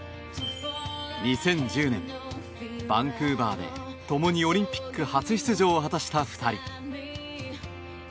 ２０１０年、バンクーバーで共にオリンピック初出場を果たした２人。